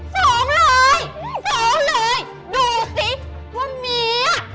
สองเลยสองเลยดูสิว่าเมียอ่ะ